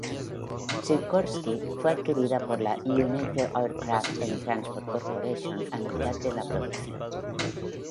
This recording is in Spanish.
Sikorsky fue adquirida por United Aircraft and Transport Corporation a mitad de la producción.